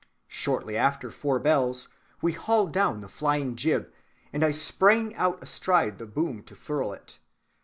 Shortly after four bells we hauled down the flying‐jib, and I sprang out astride the boom to furl it.